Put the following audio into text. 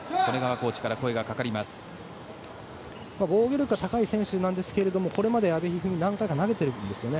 コーチから防御力が高い選手なんですがこれまで阿部一二三投げてるんですよね。